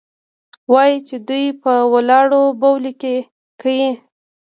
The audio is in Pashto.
وايي چې دوى په ولاړو بولې کيې.